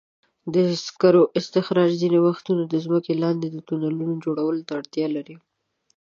د سکرو استخراج ځینې وختونه د ځمکې لاندې د تونلونو جوړولو ته اړتیا لري.